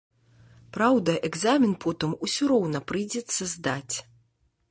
Праўда, экзамен потым усё роўна прыйдзецца здаць.